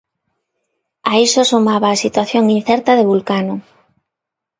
A iso sumaba a situación incerta de Vulcano.